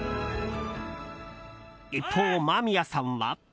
一方、間宮さんは。